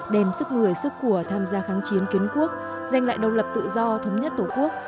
đem sức người sức của tham gia kháng chiến kiến quốc giành lại độc lập tự do thống nhất tổ quốc